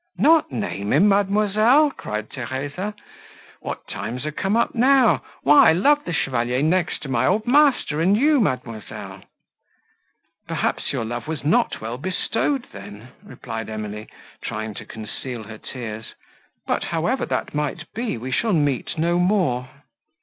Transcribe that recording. "Not name him, mademoiselle!" cried Theresa: "what times are come up now? Why, I love the Chevalier next to my old master and you, mademoiselle." "Perhaps your love was not well bestowed, then," replied Emily, trying to conceal her tears; "but, however that might be, we shall meet no more."